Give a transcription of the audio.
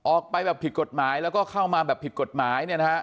ออกไปแบบผิดกฎหมายแล้วก็เข้ามาแบบผิดกฎหมายเนี่ยนะฮะ